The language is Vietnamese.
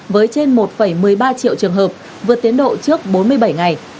với trên một một mươi ba triệu trường hợp vượt tiến độ trước bốn mươi bảy ngày